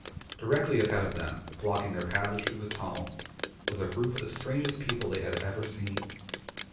Directly ahead of them, blocking their passage through the tunnel, was a group of the strangest people they had ever seen.